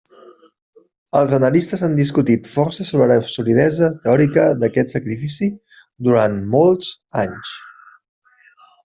Els analistes han discutit força sobre la solidesa teòrica d'aquest sacrifici durant molts anys.